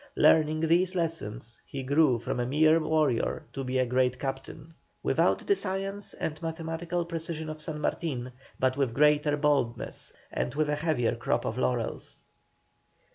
Learning these lessons, he grew from a mere warrior to be a great captain; without the science and mathematical precision of San Martin, but with greater boldness and with a heavier crop of laurels.